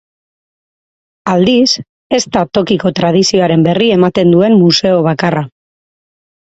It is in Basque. Aldiz, ez da tokiko tradizioaren berri ematen duen museo bakarra.